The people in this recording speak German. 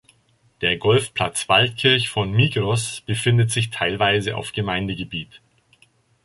Der Golfplatz Waldkirch von Migros befindet sich teilweise auf Gemeindegebiet.